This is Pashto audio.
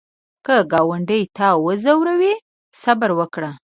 که ګاونډي تا وځوروي، صبر وکړه